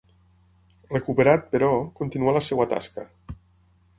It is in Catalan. Recuperat, però, continuà la seva tasca.